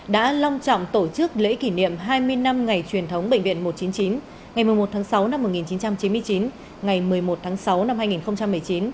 đã long trọng tổ chức lễ kỷ niệm hai mươi năm ngày truyền thống bệnh viện một trăm chín mươi chín ngày một mươi một tháng sáu năm một nghìn chín trăm chín mươi chín ngày một mươi một tháng sáu năm hai nghìn một mươi chín